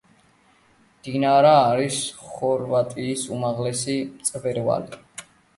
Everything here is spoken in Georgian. დინარა არის ხორვატიის უმაღლესი მწვერვალი.